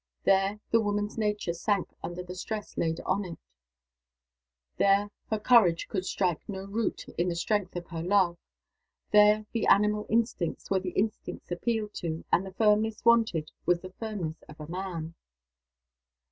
There, the woman's nature sank under the stress laid on it there, her courage could strike no root in the strength of her love there, the animal instincts were the instincts appealed to; and the firmness wanted was the firmness of a man.